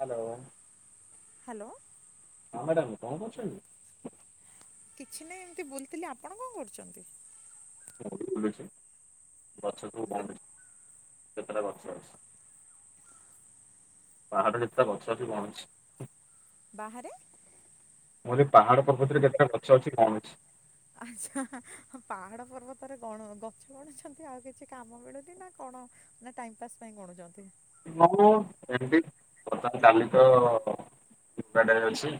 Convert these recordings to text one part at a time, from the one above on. Hello. Hello. ହଁ madam କଣ କରୁଛନ୍ତି? କିଛି ନାହିଁ ଏମିତି ବୁଲୁଥିଲି ଆପଣ କଣ କରୁଛନ୍ତି? ମୁଁ ବି ବୁଲୁଛି ଗଛ ସବୁ ବୁଲୁ କେତେଟା ଗଛ ଅଛି? ବାହାରେ ଯେତେ ଗଛ ଅଛି ଗଣୁଚି? ବାହାରେ? ମୁଁ କହିଲି ପାହାଡ ପର୍ବତରେ କେତେଟା ଗଛ ଅଛି ଗଣୁଛି? ଆଚ୍ଛା ପାହାଡ଼ ପର୍ବତରେ କଣ ଗଛ ଗଣୁଛନ୍ତି ଆଉ କିଛି କାମ ମିଳୁନିନା କଣ? ନା ଟାଇମ ପାସ୍ ପାଇଁ ଗଣୁଛନ୍ତି? ହଁ ହଉ ଏମିତି ଜାଲିତ୍ ମାନେ ଅଛି।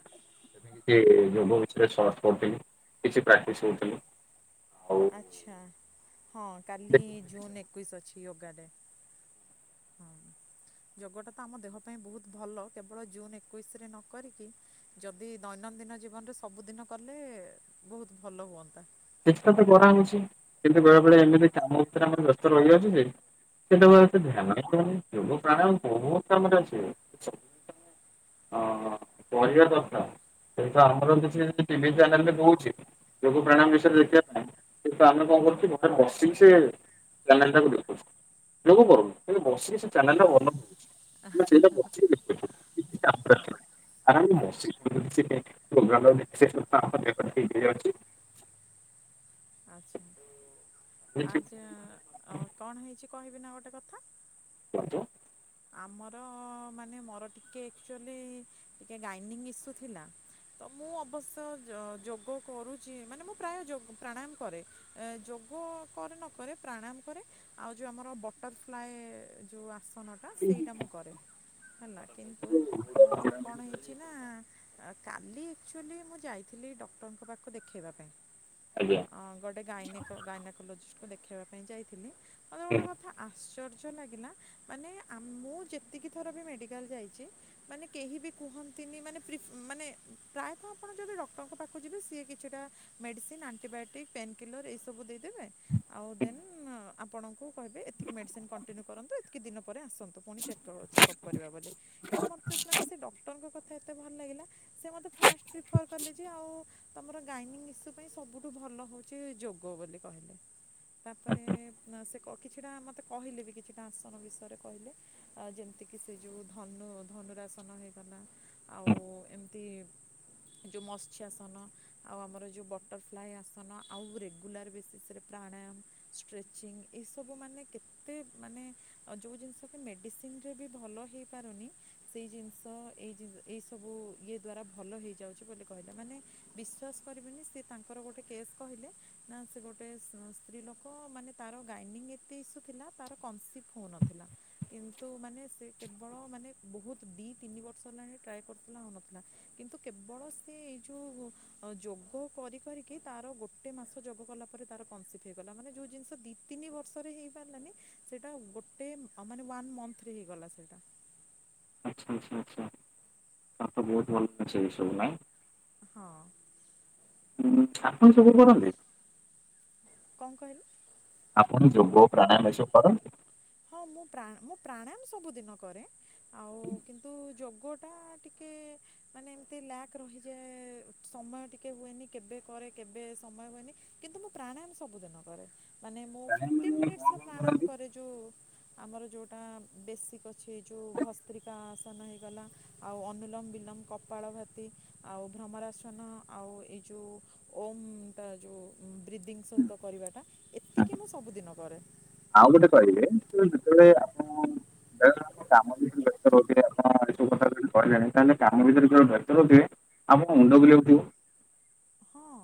କି ଯୋଗ ବିଷୟରେ ସର୍ଚ୍ଚ କରୁଥିଲି କିଛି ପ୍ରାକ୍ଟିସ କରୁଥିଲି ଆଉ ଆଛା ହଁ କାଲି ଦେଖୁଥିଲି କିଛି ଜୁନ ଏକୋଇଶ ଅଛି ୟୋଗା ଡେ। ହଁ। [inaudible] ଯୋଗଟା ତ ଆମ ଦେହ ପାଇଁ ବହୁତ ଭଲ କେବଳ ଜୁନ ଏକୋଇଶରେ ନ କରିକି। ଯଦି ଦୈନନ୍ଦିନ ଜୀବନରେ ସବୁଦିନ କଲେ ବହୁତ ଭଲ ହୁଅନ୍ତା। କିଛିଟାତ କରାହଉଛି କିନ୍ତୁ ବେଳେ ବେଳେ ଏମିତି କାମ ଭିତରେ ଆମର ବ୍ୟସ୍ତ ରହିଯାଉଛି ଯେ ଯେତେବେଳେ ଧ୍ୟାନ ଯୋଗ ପ୍ରାଣୟମ ବହୁତ କାମରେ ଆସିବ। ହଁ କରିବାକଥା। ସେଇଟା ଆମର କିଛି ଟିଭି ଚ୍ୟାନେଲରେବି କଉଛି ଯୋଗ ପ୍ରଣାୟାମ ବିଷ ଆମେ କଣ କରୁଛୁ ଘରେ ବସିକି ସେ ଚ୍ୟାନେଲଟାକୁ ଦେଖୁଛୁ। ଯୋଗ କରୁନୁ ବସିକି ସେ ଚାନେଲଟାକୁ ଅନଉ। ହଁ [unintelligible] [inaudible] ଆଚ୍ଛା ଆଜ୍ଞା ଆଜା କଣ ହେଇଛି କହିବି ନା ଗୋଟେ କଥା। କୁହନ୍ତୁ? ଆମର ମାନେ ମୋର ଟିକେ ଆକ୍ଚୁଆଲି ଟିକେ ଗାଇନିଙ୍ଗ ଇସୁ ଥିଲା। ତ ମୁଁ ଅବଶ୍ୟ ଯୋଗ କରୁଛି ମାନେ ମୁଁ ପ୍ରାୟ ଯୋଗ ପ୍ରାଣାୟାମ କରେ। ଏ ଯୋଗ କରେ ନ କରେ ପ୍ରାଣାୟାମ କରେ ଆଉ ଯୋଉ ଆମର ବଟରଫ୍ଲାଏ ଯୋଉ ଆସନଟା ସେଇଟା ମୁଁ କରେ ହେଲା କିନ୍ତୁ ମୋର କଣ ହେଇଛି ନା? କାଲି ଆକ୍ଚୁଆଲି ମୁଁ ଯାଇଥିଲି ଡକ୍ଟରଙ୍କ ପାଖକୁ ଦେଖେଇବା ପାଇଁ ଆଜ୍ଞା। ଗୋଟେ ଗାଇନାକ୍ ଗାଇନାକୋଲୋଜିଷ୍ଟକୁ ଦେଖେଇବା ପାଇଁ ଯାଇଥିଲି। ହୁଁ। ଗୋଟେ କଥା ଆଶ୍ଚର୍ଯ୍ୟ ଲାଗିଲା ମାନେ ମୁଁ ଯେତିକି ଥର ବି ମେଡ଼ିକାଲ ଯାଇଛି ମାନେ କେହି ବି କୁହନ୍ତିନି ମାନେ ପ୍ରି ମାନେ ପ୍ରାୟତଃ ଆପଣ ଯଦି ଡକ୍ଟରଙ୍କ ପାଖକୁ ଯିବେ ସିଏ କିଛିଟା ମେଡ଼ିସିନ, ଆଣ୍ଟିବାୟୋଟିକ୍, ପେନ୍ କିଲର ଏଇ ସବୁ ଦେଇଦେବେ ଆଉ ଦେନ୍ ଆପଣଙ୍କୁ କହିବେ ଏତିକି ମେଡ଼ିସିନ୍ କଣ୍ଟିନ୍ୟୁ କରନ୍ତୁ ଏତିକି ଦିନ ପରେ ଆସନ୍ତୁ ପୁଣି ଚେକ୍ଅପ୍ ଚେକ୍ଅପ୍ କରିବା ବୋଲି କିନ୍ତୁ ମୋତେ ମାନେ ସେ ଡକ୍ଟରଙ୍କ କଥା ଏତେ ଭଲ ଲାଗିଲା ସେ ମୋତେ ଫାଷ୍ଟ ପ୍ରିଫର୍ କଲେ ଯେ ଆଉ ତମର ଗାଇନିଂ ଇଶୁ ପାଇଁ ସବୁଠୁ ଭଲ ହଉଛି ଯୋଗ ବୋଲି କହିଲେ। ତାପରେ ସେ କିଛିଟା ମତେ କହିଲେ ବି କିଛିଟା ଆସନ ବିଷୟରେ? କହିଲେ ଆ ଯେମିତିକି ସେ ଯେଉଁ ଧନୁ ଧନୁରାସନ ହେଇଗଲା। ଆଉ ଏମିତି ଯୋଉ ମତ୍ସ୍ୟାସନ ଆଉ ଆମର ଯୋଉ ବଟରଫ୍ଲାଏ ଆସନ ଆଉ ରେଗୁଲାର ବେସିସ୍ ରେ ପ୍ରାଣାୟାମ ଷ୍ଟ୍ରେଚିଂ ଏ ସବୁ ମାନେ କେତେ ମାନେ ଯୋଉ ଜିନିଷ ବି ମେଡ଼ିସିନରେ ବି ଭଲ ହେଇ ପାରୁନି ସେଇ ଜିନିଷ ଏଇ ଏଇ ସବୁ ଇଏ ଦ୍ଵାରା ଭଲ ହେଇଯାଉଛି ବୋଲି କହିଲେ ମାନେ ବିଶ୍ୱାସ କରିବେନି ସେ ତାଙ୍କର ଗୋଟେ କେସ୍ କହିଲେ ନା ସେ ଗୋଟେ ସ୍ତ୍ରୀ ଲୋକ ମାନେ ତାର ଗାଇନିଙ୍ଗ ଏତେ ଇସୁ ଥିଲା ତାର କନ୍ସିଭ ହୋଉନ ଥିଲା କିନ୍ତୁ ମାନେ ସେ କେବଳ ମାନେ ବହୁତ ଦିଇ ତିନି ବର୍ଷ ହେଲାଣି ଟ୍ରାଏ କରୁଥିଲା ହଉନଥିଲା କିନ୍ତୁ କେବଳ ସେ ଏଇ ଯୋଉ ଯୋଗ କରି କରିକି ତାର ଗୋ ଟେ ମାସ ଯୋଗ କଲା ପରେ ତାର କନସିଭ୍ ହେଇଗଲା ମାନେ ଯୋଉ ଜିନିଷ ଦି ତିନି ବର୍ଷରେ ହେଇ ପାରିଲାନି ସେଇଟା ଗୋଟେ ଅ ମାନେ ୱାନ୍ ମନ୍ଥରେ ହେଇଗଲା ସେଇଟା। ଆଚ୍ଛା ଆଚ୍ଛା ଆଛା ତାହେଲେ ତ ବହୁତ ଭଲ ଜିନିଷ ଏ ସବୁ ନାଇ? ହଁ। ହୁଁ ଆପଣ ସବୁ କରନ୍ତି? କଣ କହିଲେ? ଆପଣ ଯୋଗ ପ୍ରାଣାୟାମ ଏସବୁ କରନ୍ତି? ହଁ ମୁଁ ପ୍ରା ମୁଁ ପ୍ରାଣାୟାମ ସବୁଦିନ କରେ ଆଉ କିନ୍ତୁ ଯୋଗଟା ଟିକେ ମାନେ ଏମିତି ଲ୍ୟାକ୍ ରହିଯାଏ ସମୟ ଟିକେ ହୁଏନି କେବେ କରେ କେବେ ସମୟ ହୁଏନି କିନ୍ତୁ ମୁଁ ପ୍ରାଣାୟାମ ସବୁଦିନ କରେ ମାନେ ମୁଁ ଫିଫ୍ଟିନ୍ ମିନିଟ୍ସର ପ୍ରାଣାୟାମ କରେ ଯୋଉ ଆମର ଯେଉଁଟା ବେସିକ୍ ଅଛି ଯେଉଁ ଭସ୍ତ୍ରିକା ଆସନ ହେଇଗଲା ଆଉ ଅନୁଲମ ବିଲୋମ, କପାଳ ଭତି, ଆଉ ଭ୍ରମରାସନ ଆଉ ଏଇ ଯେଉଁ ଓମ୍ ଟା ଯେଉଁ ବ୍ରିଦିଙ୍ଗ ସହିତ କରିବାଟା ଏତିକି ମୁଁ ସବୁଦିନ କରେ। ଆଉ ଗୋଟେ କହିବେ ଯେତେବେଳେ ଆପଣ କାମ ଭିତରେ ବ୍ୟସ୍ତ ରଉଥିବେ ଆପଣ ଏ ସବୁ କଥା ଯଦି କହିଲେଣି ତାହେଲେ କାମ ଭିତରେ ଯଦି ବ୍ୟସ୍ତ ରହୁଥିବେ ଆମକୁ ମୁଣ୍ଡ ବୁଲେଇ ହୋଇଥିବ। ହଁ।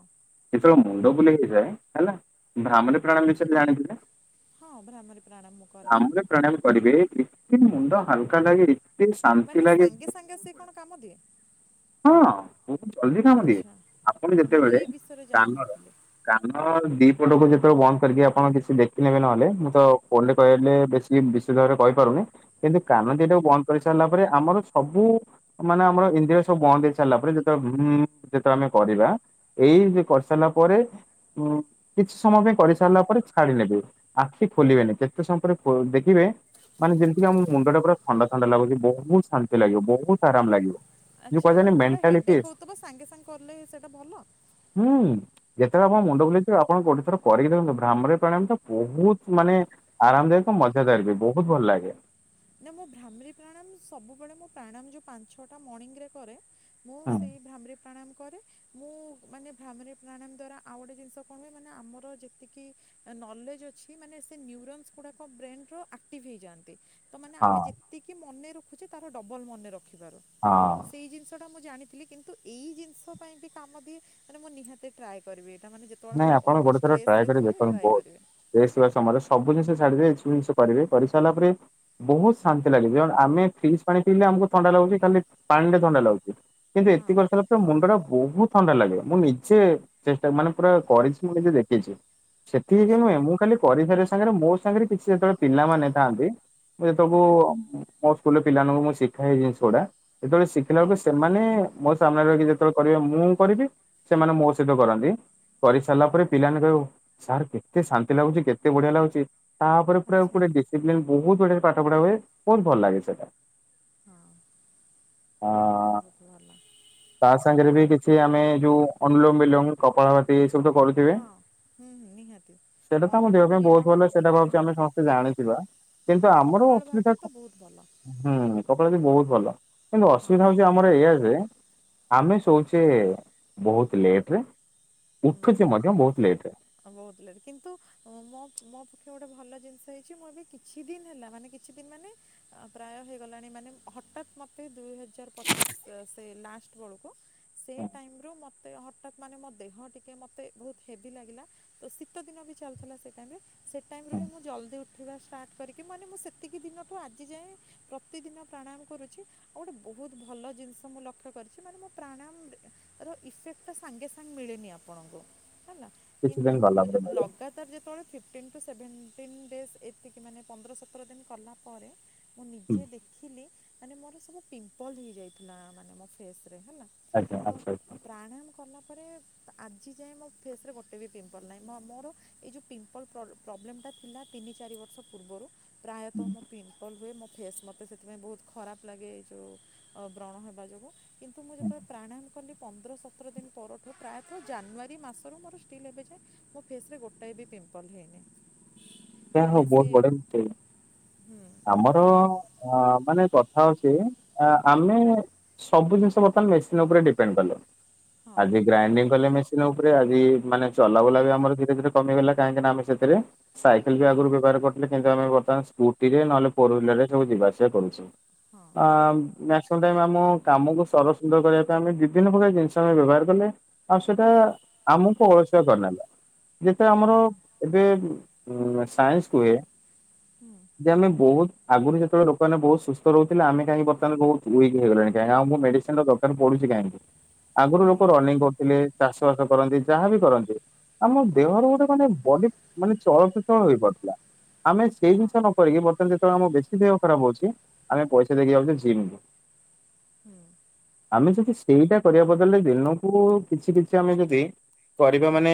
ଯେତେବେଳେ ମୁଣ୍ଡ ବୁଲେଇ ହେଇଯାଏ ହେଲା ଭ୍ରାମାରି ପ୍ରାଣାୟମ ବିଷୟରେ ଜାଣିଥିବେ ହଁ ଭ୍ରାମାରି ପ୍ରାଣାୟମ ମୁଁ କରେ। ପ୍ରାଣାୟମ କରିବେ ଏତେ ମୁଣ୍ଡ ହାଲକା ଲାଗେ ଶାନ୍ତି ମାନେ ଲାଗେ ସାଙ୍ଗେ ସାଙ୍ଗେ ବହୁତ ସିଏ ବଢିଆ। କଣ କାମ ଦିଏ? ହଁ ବହୁତ ଜଲଦି କାମ ଦିଏ ଆଚ୍ଛା ଆପଣ ଆ ମୁଁ ଯେତେବେଳେ ଏଇ ବିଷୟରେ କାନର ଜାଣିନଥିଲି। କାନ ଦିପଟକୁ ଯେତେବେଳେ ବନ୍ଦ କରିକି ଆପଣ କିଛି ଦେଖିନେବେ ନହଲେ ମୁଁ ତ ଫୋନରେ କହିଲେ ବେଶୀ କିଏ ବିଶେଷ ଭାବରେ କହି ପାରୁନି। କିନ୍ତୁ ହଁ କାନ ଦଟାକୁ ବନ୍ଦ କରିସାରିଲା ପରେ। ଆମର ସବୁ ମାନେ ଆମର ଇନ୍ଦ୍ରୟ ସବୁ ବନ୍ଦ ହେଇ ସାରିଲା ପରେ ଯେତେବେଳେ ହୁଁ ଯେତେବେଳେ ଆମେ କରିବା ଏଇ ଯେ କରିସାରିଲା ପରେ ହୁଁ। କିଛି ସମୟ ପାଇଁ କରିସାରିଲା ପରେ ଛାଡି ନେବେ। ଆଖି ଖୋଲିବେନି। କେତେ ସମୟ ପରେ ଦେଖିବେ ମାନେ ଯେମିତିକି ଆମ ମୁଣ୍ଡ ଟା ପୁରା ଥଣ୍ଡା, ଥଣ୍ଡା ଲାଗୁଛି। ବହୁତ ଶାନ୍ତି ଲାଗିବ। ବହୁତ ଆରାମ ଲାଗିବ। ଯୋଉ ଆଚ୍ଛା। କୁହାଯାଏନି ଯେତେବେଳେ ମେଣ୍ଟାଲିଟି ହେଡ଼ଏକ୍ ହେଉଥିବ ସାଙ୍ଗେ ସାଙ୍ଗେ କଲେ ସେଇଟା ଭଲ? ହୁଁ। ଯେତେବେଳେ ଆପଣଙ୍କ ଆ, ମୁଣ୍ଡ ବୁଲେଇଥିବ ଆପଣ ଗୋଟେ ଥର କରିକି ଦେଖନ୍ତୁ। ଭ୍ରାମୀରି ପ୍ରାଣାୟାମ ତ ବହୁତ ମାନେ ଆରାମଦାୟକ ମଜାଦାର ବି। ବହୁତ ଭଲ ଲାଗେ। ନା, ମୁଁ ଭ୍ରାମିରୀ ପ୍ରାଣୟାମ ସବୁବେଳେ ମୁଁ ପ୍ରାଣୟାମ ଯୋଉ ପାଞ୍ଚ ଛଅଟା ମର୍ଣ୍ଣିଙ୍ଗରେ କରେ। ମୁଁ ହୁଁ ସେଇ ଭ୍ରାମିରୀ ପ୍ରାଣାୟାମ କରେ। ମୁଁ ମାନେ ଭ୍ରାମୀରି ପ୍ରାଣାୟାମ ଦ୍ଵାରା ଆଉ ଗୋଟେ ଜିନିଷ କଣ ହୁଏ, ମାନେ ଆମର ଯେତିକି ନଲେଜ୍ ଅଛି। ମାନେ ସେ ନ୍ୟୁରୋନ୍ସ ଗୁଡ଼ାକ ବ୍ରେନ୍ରର ଆକ୍ଟିଭ୍ ହେଇଯାଆନ୍ତି। ତ ମାନେ ହଁ ଆମେ ଯେତିକି ମନେ ରଖୁଛେ। ତାର ଡବଲ୍ ମନେ ରଖିବାର। ହଁ। ସେଇ ଜିନିଷଟା ମୁଁ ଜାଣିଥିଲି। କିନ୍ତୁ ଏଇ ଜିନିଷ ପାଇଁ ବି କାମ ଦିଏ। ମାନେ ମୁଁ ନିହାତି ଟ୍ରାଏ କରିବି। ଏଇଟା ମାନେ ଯେତେବେଳେ ନାଇଁ ମୁଁ ଅଧିକ ଷ୍ଟ୍ରେସ୍ରରେ ଥିଲି ଟ୍ରାଏ କରିବି। ଷ୍ଟ୍ରେସ୍ରରେ ଥିବା ସମୟରେ ସବୁ ଜିନିଷ ଛାଡିବେ। ଏବୁ ଜିନିଷ କରିବେ, କରିସାରିଲା ପରେ ବହୁତ ଶାନ୍ତି ଲାଗିବ। ଆମେ ଫ୍ରିଜ୍ ପାଣି ପିଇଲେ ଆମକୁ ଥଣ୍ଡା ଲାଗୁଛି। ଖାଲି ପାଣିରେ ଥଣ୍ଡା ଲାଗୁଛି। କିନ୍ତୁ ହଁ ଏତିକି କରିସାରିଲା ପରେ ମୁଣ୍ଡ ଟା ବହୁତ ଥଣ୍ଡା ଲାଗେ। ମୁଁ ନିଜେ ଚେଷ୍ଟା, ମାନେ ପୁରା କରିଛି ମୁଁ ନିଜେ ଦେଖିଛି। ସେତିକି ଆଚ୍ଛା ନୁହେଁ ମୁଁ ଖାଲି ପରିଘରେ ସାଙ୍ଗରେ, ମୋ ସାଙ୍ଗରେ କିଛି ଯେତେବେଳେ ପିଲାମାନେ ଥାଆନ୍ତି, ହଁ [unintelligible] ମୋ ସ୍କୁଲରେ ପିଲାମାନଙ୍କୁ ମୁଁ ଶିଖାଏ ଏ ଜିନିଷ ଗୁଡା। ଯେତେବେଳେ ଶିଖିଲା ହଁ ବେଳକୁ, ସେମାନେ ମୋ ସାମ୍ନାରେ କି ଯେତେବେଳେ କରିବେ, ମୁଁ କରିବି, ସେମାନେ ମୋ ସହିତ କରନ୍ତି। କରି ସାରିଲା ପରେ ପିଲାମାନେ କହିବେ ସାର୍ କେତେ ଶାନ୍ତି ଲାଗୁଛି, କେତେ ବଢିଆ ଲାଗୁଛି। ତାପରେ ପୁରା ଆଚ୍ଛା [unintelligible] ଡିସିପ୍ଲିନ ବହୁତ ବଢିଆରେ ପାଠ ପଢ଼ା ହୁଏ। ବହୁତ ଭଲ ଲାଗେ ସେଇଟା। ହଁ, ଆ ବହୁତ ଭଲ। ତା ସାଙ୍ଗରେ ବି କିଛି ଆମେ ଯୋଉ ଅନୁଲୋମ, ବିଲୋମ, କପଳାଭାତି, ଏ ସବୁ ତ କରୁ। ଥିବେ, ହଁ ହୁଁ ହୁଁ ନିହାତି ସେଟା ତ ଆମ ଦେହ ଅନୁଲୋମ ପାଇଁ ବହୁତ ବିଲୋମ ଭଲ। କ ସେଇଟା ଭାବୁଛି ହଁ ଆମେ ସମସ୍ତେ ଜାଣିଥିବା। କିନ୍ତୁ ହୁଁ ଆମର କପାଳ ଅସୁବିଧା ଭାତି ହୁଁ, ତ ବହୁତ ଭଲ କପଡ଼ା ବି ବହୁତ ଭଲ। କିନ୍ତୁ ହଁ ଅସୁବିଧା ହଉଛି ଆମର ଆମର ଏଇଆ ଯେ, ଆମେ ଶୋଉଚେ ବହୁତ ଲେଟରେ ଉଠୁଚେ ମଧ୍ୟ ବହୁତ ଲେଟ୍ ରେ ହଁ, ବହୁତ ଲେଟ, କିନ୍ତୁ ମୋ, ମୋ ପକ୍ଷେ ଗୋଟେ ଭଲ ଜିନିଷ ହେଇଛି, ମୁଁ ଏବେ କିଛି ଦିନ ହେଲା, ମାନେ କିଛି ଦିନ ମାନେ ପ୍ରାୟ ହେଇଗଲାଣି, ମାନେ ହଠାତ୍ ମତେ ଦୁଇ ହଜାର ପଚିଶ, ସେ ଲାଷ୍ଟ ବେଳକୁ ସେ ଟାଇମ ରୁ ମତେ ହଠାତ୍ ମାନେ, ମୋ ଦେହ ଟିକେ ମତେ ବହୁତ ହେଭି ଲାଗିଲା। ତ ଶୀତ ଦିନ ବି ଚାଲିଥିଲା ସେ ଟାଇମରେ। ସେ ଟାଇମ୍ ରୁ ହୁଁ ହିଁ ମୁଁ ଜଲ୍ଦି ଉଠ ଉଠିବା ଷ୍ଟାର୍ଟ କରିକି, ମାନେ ମୁଁ ସେତିକି ଦିନଠୁ ଆଜି ଯାଏଁ, ପ୍ରତିଦିନ ପ୍ରାଣାୟାମ କରୁଚି। ଆଉ ଗୋଟେ ବହୁତ ଭଲ ଜିନିଷ ମୁଁ ଲକ୍ଷ୍ୟ କରିଚି, ମାନେ ମୁଁ ପ୍ରାଣାୟାମ ଇଫେକ୍ଟ ସାଙ୍ଗେ ସାଙ୍ଗେ ମିଳେନି ଆପଣଙ୍କୁ ହେଲା। କିଛି ଦିନ କିନ୍ତୁ ଗଲା ମୁଁ ପରେ ମିଳେ ଲଗା ତାର ଯେତେବେଳେ ଫିଫ୍ଟିନ୍ ଟୁ ସେଭେଣ୍ଟିନ୍ ଡେଜ, ଏତିକି ମାନେ ପନ୍ଦର ସତର ଦିନ କଲା ପରେ ମୁଁ ହୁଁ ନିଜେ ଦେଖିଲି, ମାନେ ମୋର ସବୁ ପିମ୍ପଲ୍ ହେଇଯାଇଥିଲା, ମାନେ ମୋ ଫେସ୍ ରେ ହେଲା। ଆଜ୍ଞା ତ ଆଚ୍ଛା ଆଚ୍ଛା। ପ୍ରାଣାୟାମ କଲା ପରେ, ଆଜି ଯାଏଁ ମୋ ଫେସ୍ ରେ ଗୋଟେ ଗୋଟେ ବି ପିମ୍ପଲ୍ ନାହିଁ। ମୋର ଏଇ ଯେଉଁ ପିମ୍ପଲ୍ ପ୍ରୋବ୍ଲେମ୍ ଥିଲା, ତିନି ଚାରି ବର୍ଷ ପୂର୍ବରୁ। ପ୍ରାୟତଃ ମୋ ପିମ୍ ପଲ୍ ହୁଏ। ମୋ ଫେସ୍ ମୋତେ ସେଥିପାଇଁ ବହୁତ ଖରାପ ଲାଗେ। ଏଇ ଯେଉଁ ବ୍ରଣ ହେବା ଯୋଗୁଁ। କିନ୍ତୁ, ମୁଁ ଯେତେବେଳେ ପ୍ରାଣାୟାମ କଲି ପନ୍ଦର, ସତର ଦିନ ପରଠାରୁ ପ୍ରାୟତଃ ଜାନୁଆରୀ ମାସରୁ ମୋର ଷ୍ଟିଲ ଏବେ ଯାଏ, ମୋ ଫେସ୍ ରେ ଗୋଟାଏ ବି ପିମ୍ପଲ୍ ହେଇନି। ସେ ହଉ, ବହୁତ [unintelligible] ହୁଁ ଆମର ତ ମାନେ, କଥା ହେଉଛି ଆମେ ସବୁ ଜିନିଷ ବର୍ତ୍ତମାନ ମେସିନ ଉପରେ ଡିପେଣ୍ଡ କଲେ, ହଁ ଆଜି ଗ୍ରାଇଣ୍ଡିଙ୍ଗ କଲେ ମେସିନ୍ ଉପରେ, ଆଜି ମାନେ ଚଲାବୁଲା ବି ଆମର ଧୀରେ ଧୀରେ କମିଗଲା, କାହିଁକିନା ଆମେ ସେଥିରେ ସାଇ ଆଗରୁ ବ୍ୟବହାର କରିଥିଲେ, କିନ୍ତୁ ଆମେ ବର୍ତ୍ତମାନ ସ୍କୁଟିରେ, ନହେଲେ ଫୋର ହୁଇଲରରେ, ସବୁ ଯିବାଆ ସିବା କରୁଛେ। ହଁ ଆମ୍ [unintelligible] ଆମ କାମକୁ ସର ସୁନ୍ଦର କରିବା ପାଇଁ, ଆମେ ଦିଇ ଦିନ ପ୍ରକାର ଜିନିଷ ଆମେ ବ୍ୟବହାର କଲେ। ଆଉ ସେଟା, ଆମକୁ ଅଳସୁଆ କରିନେଲା। ଯେତେବେଳେ ହୁଁ ଆମର, ଏବେ ସାଇନ୍ସ କୁହେ ହୁଁ ଉଁ ଯେ ଆମେ ବହୁତ ଆଗରୁ ଯେତେବେଳେ ଲୋକମାନେ ବହୁତ ସୁସ୍ଥ ରହୁଥିଲେ, ଆମେ କାହିଁ ବର୍ତ୍ତମାନ ବହୁତ ୱିକ ହେଇଗଲାଣି କାଇଁ, ଆଉ ମୁଁ ମେଡିସିନ ର ପଡୁଛି କାହିଁକି? ଆଗରୁ ଲୋକ ନିହାତି ରନିଂ କରୁ ଥିଲେ, ଚାଷ ବାସ କରନ୍ତି, ଯାହାବି କରନ୍ତି, ଆମ ଦେହର ଗୋଟେ ମାନେ ବଡି ମାନେ ଚଳପ୍ରଚଳ ହୋଇପଡିଥିଲା, ଆମେ ସେଇ ହଁ ଜିନିଷ ନ କରିକି, ବର୍ତ୍ତମାନ ଯେତେବେଳେ ଆମର ବେଶୀ ଦେହ ଖରାପ ହଉଛି, ଆମେ ପଇସା ଦେଇକି ଯାଉଛେ ଜିମକୁ ହୁଁ ଆମେ ଯଦି ସେଇଟା କରିବା ବଦଳରେ, ଦିନକୁ କିଛି କିଛି ଆମେ ଯଦି କରିବା ମାନେ,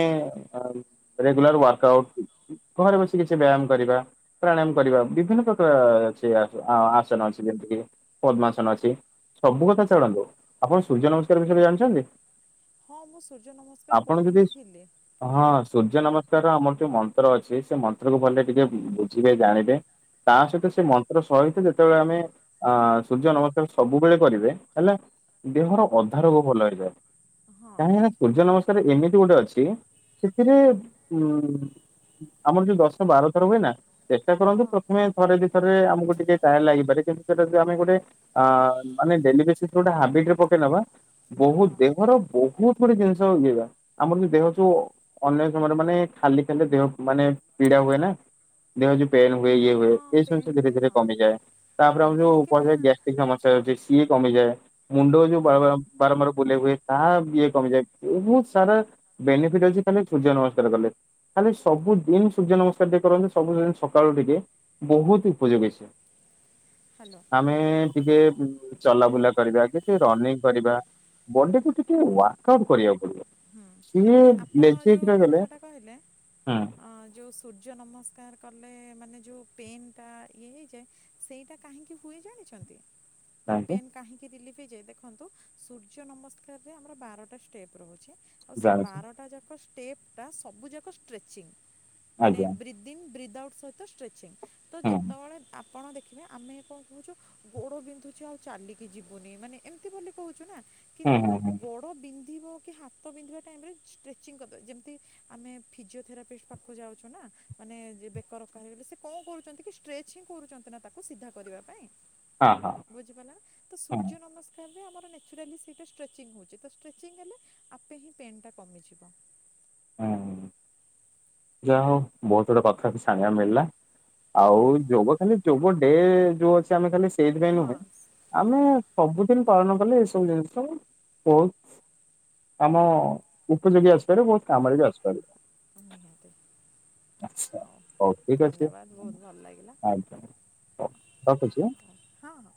ରେଗୁଲାର ୱାର୍କ ଆଉଟ୍ ଘରେ ବସିି କିଛି ବ୍ୟାୟାମ କରିବା। ପ୍ରାଣାୟାମ କରିବା, ବିଭିନ୍ନ ପ୍ରକାର ସେ ଆସନ ଅଛି, ଯେମତି କିି ପଦ୍ମାସନ ଅଛି। ସବୁ କଥା ଛାଡନ୍ତୁ, ଆପଣ ସୂର୍ଯ୍ୟ ନମସ୍କାର ବିଷୟରେ ଜାଣିଛନ୍ତି? ହଁ ମୁଁ ସୂର୍ଯ୍ୟ ନମସ୍କାର ଆପଣ କରୁ ଯଦି ବିି ଥିଲି। ହଁ। ସୂର୍ଯ୍ୟ ନମସ୍କାର ଆମର ଯୋଉ ମନ୍ତ୍ର ଅଛି ସେ ମନ୍ତ୍ରକୁୁ ଭଲ କି ଟିକେ ବୁଝିବେ ଜାଣିବେ। ତା ସହିତ ସେ ମନ୍ତ୍ର ସହିତ ଯେତେବେଳେ ଆମେ ଅ ସୂର୍ଯ୍ୟ ନମସ୍କାର ସବୁବେଳେ କରିବେ, ହେଲେ ଦେହର ଅଧାରୋଗ ଭଲ ହେଇଯାଏ। ହଁ କାହିଁକିନା ସୂର୍ଯ୍ୟ ନମସ୍କାର ରେ ଏମିତି ଗୋଟେ ଅଛି ସେଥିରେ ଉଁ ଆମର ଯୋଉ ଦଶ ବାର ଥର ହୁଏ ନା, ଚେଷ୍ଟା କରନ୍ତୁ ହଁ ପ୍ରଥମେ ଥରେ ଦିଥରେ ଆମକୁ ଟିକେ ଟାଇମ୍ ଲାଗିପାରେ କିନ୍ତୁ ସେଟା ଯଦି ଆମେ ଗୋଟେ ଅ ଆମେ ଡେଲି ବେସିସ୍ ଗୋଟେ ହାବିଟ୍ ରେ ପକେଇ ନବା ବହୁତ୍ ହଁ ଦେହର ବହୁତ୍ ଗୋଟେ ଜିନିଷ ଇଏ ବା ଆମର ଦେହ ଯୋଉ ଅନ୍ୟ ସମୟରେ ମାନେ ଖାଲି ଖାଲି ଦେହ ମାନେ ପୀଡା ହୁଏ ନା, ଦେହ ଯେ ପେନ୍ ହୁଏ ଇଏ ହୁଏ ହଁ ଏଇ ସବୁ ସେ ପେନ୍ ଧୀରେ ହୁଏ ଧୀରେ ହଁ କମିଯାଏ। ତାପରେ ହଁ ଆମେ ଯୋଉ କାହିଁକି ନା ସମସ୍ୟା ହଉଚି ସିଏ କମି ଯାଏ। ମୁଣ୍ଡ ଯଉ ହଁ ବାର ବାର ବାରମ୍ବାର ବୁଲେ ହୁଏ ତାହା ଇଏ କମିଯାଏ ବହୁତ୍ ସାରା ବେନିଫିଟ୍ ଅଛି ଖାଲି ସୂର୍ଯ୍ୟ ନମସ୍କାର କଲେ। ଖାଲି ସବୁଦିନ୍ ସୂର୍ଯ୍ୟ ନମସ୍କାର ଟିକେ କରନ୍ତୁ ସବୁଦିନ ସକାଳୁ ଟିକେ ବହୁତ ଉପଯୋଗୀ ସେ। ହାଲୋ। ଆମେ ଟିକେ ଚଲାବୁଲା କରିବା କି ଟିକେ ରନିଙ୍ଗ କରିବା ବଡିକୁୁ ଟିକେ ୱାର୍କ ଆଉଟ୍ କରିବାକୁ ପଡିବ। ହୁଁ। ସିଏ ନାଇଁ ଆପଣ ଲେଜି ହେଇକି ଯୋଉ ରହିଗଲେ କଥାଟା କହିଲେ ହୁଁ ଅଁ ଯୋଉ ସୂର୍ଯ୍ୟ ନମସ୍କାର କଲେ ମାନେ ଯେଉଁ ପେନ୍ ଟା ଇଏ ହେଇଯାଏ ସେଇଟା କାହିଁକି ହୁଏ ଜାଣିଛନ୍ତି? ମାନେ କାହିଁକି ପେନ୍ କାହିଁକି ରିଲିଫ ହେଇଯାଏ, ଦେଖନ୍ତୁ ସୂର୍ଯ୍ୟ ନମସ୍କାରରେ ଆମର ବାରଟା ଷ୍ଟେପ୍ ରହୁଚି। ଆଉ ସେ ଜାଣିଛି ବାରଟା ଯାକ ଷ୍ଟେପ୍ ଟା ସବୁ ଯାକ ଷ୍ଟ୍ରେଚିଂ। ମାନେ ଆଜ୍ଞା ବ୍ରି ଦିନ୍ ବ୍ରିଦ୍ ଆଉଟ୍ ସହିତ ଷ୍ଟ୍ରେଚିଂ। ତ ହୁଁ। ଯେତେବେଳେ ଆପଣ ଦେଖିବେ ଆମେ କଣ କହୁଚୁ ଗୋଡ ବିନ୍ଧୁଚି ଆଉ ଚାଲିକି ଯିବୁନି। ମାନେ ଏମିତି ବୋଲି କହୁଚୁ ନା। ହୁଁ କିନ୍ତୁ ହୁଁ ହୁଁ ଗୋଡ଼ ବିନ୍ଧିବ କି ହାତ ବିନ୍ଧିବା ଟାଇମ୍ ରେ ଷ୍ଟ୍ରେଚିଂ କରିଦେବେ। ଯେମତି ଆମେ ଫିଜିଓଥେରାପିଷ୍ଟ ପାଖକୁ ଯାଉଚୁ ନା। ମାନେ ଯେ ବେକ ରକା ହେଇଗଲେ। ସେ କଣ କରୁଛନ୍ତି କି ଷ୍ଟ୍ରେଚ ହିଁ କରୁଛନ୍ତି ନା ତାକୁ ସିଧା କରିବା ପାଇଁ। ହଁ ହଁ ବୁଝିପାରିଲେ ନା। ତ ହଁ। ସୂର୍ଯ୍ୟ ନମସ୍ ତଥାପି ଆମର ନ୍ୟାଚୁରାଲି ସେଇଟା ଷ୍ଟ୍ରେଚିଂ ହଉଚି। ତ ଷ୍ଟ୍ରେଚିଂ ହେଲେ ଆପେ ହିଁ ପେନ୍ ଟା କମିଯିବ। ହୁଁ। ଯାହା ହଉ ବହୁତ୍ ଗୁଡେ କଥା ବି ଜାଣିବା କୁ ମିଳିଲା। ହଁ ଆଉ ଯୋଗ ଖାଲି ଯୋଗ ଡେ ଯୋଉ ଅଛି ଆମେ ଖାଲି ସେଇଥିପାଇଁ ହଁ ନୁହେଁ ଆମେ ସବୁଦିନ ପାଳନ କଲେ ଏସବୁ ଜିନିଷ ବହୁତ୍ ଆମ ଉପଯୋଗୀ ଆସିପାରିବ, ବହୁତ୍ କାମରେ ବି ଆସିପାରିବ। ନିହାତି। ଆଚ୍ଛା ହଉ ଠିକ୍ ଅଛି। ଧନ୍ୟବାଦ ବହୁତ ଭଲ ଲାଗିଲା ଆଜ୍ଞା ହଉ ରଖୁଚି ଆଁ। ହଁ ହଁ।